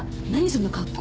その格好。